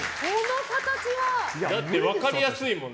だって分かりやすいもん。